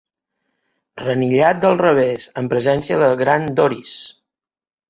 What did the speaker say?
Renillat del revés en presència de la gran Doris.